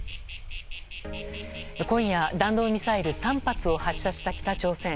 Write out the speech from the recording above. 今夜、弾道ミサイル３発を発射した北朝鮮。